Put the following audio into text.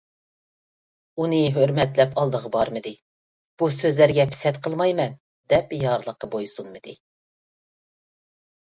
ئۇنى ھۆرمەتلەپ ئالدىغا بارمىدى، «بۇ سۆزلەرگە پىسەنت قىلمايمەن» دەپ يارلىققا بويسۇنمىدى.